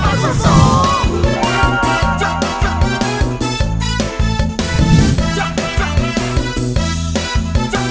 โดยการแข่งขาวของทีมเด็กเสียงดีจำนวนสองทีม